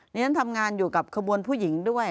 ฉันทำงานอยู่กับขบวนผู้หญิงด้วย